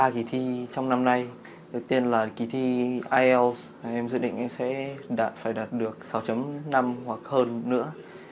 kỳ thi trong năm nay đầu tiên là kỳ thi ielts em dự định em sẽ phải đạt được sáu năm hoặc hơn nữa